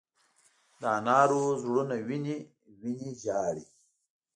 د انارو زړونه وینې، وینې ژاړې